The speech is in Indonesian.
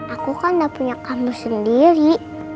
aku kan gak punya kamu sendiri